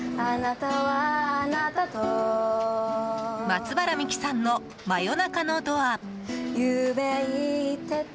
松原みきさんの「真夜中のドア」。